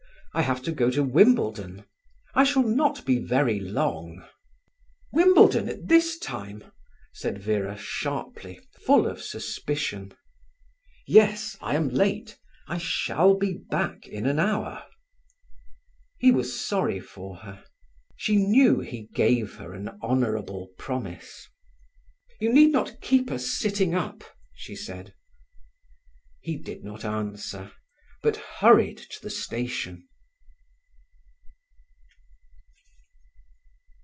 I have to go to Wimbledon. I shall not be very long." "Wimbledon, at this time!" said Vera sharply, full of suspicion. "Yes, I am late. I shall be back in an hour." He was sorry for her. She knew he gave her an honourable promise. "You need not keep us sitting up," she said. He did not answer, but hurried to the station.